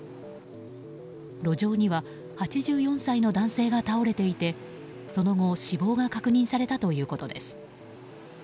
路上には８４歳の男性が倒れていてその後、死亡が確認されたということです。